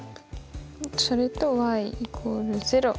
それと＝０。